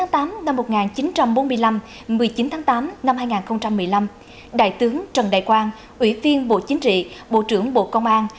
một mươi tám năm một nghìn chín trăm bốn mươi năm một mươi chín tháng tám năm hai nghìn một mươi năm đại tướng trần đại quang ủy viên bộ chính trị bộ trưởng bộ công an